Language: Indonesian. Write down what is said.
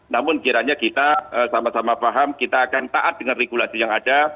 namun kiranya kita sama sama paham kita akan taat dengan regulasi yang ada